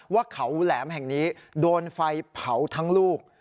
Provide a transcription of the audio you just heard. ว่าเขาแหลมแห่งนี้โดนไฟเผาทั้งลูก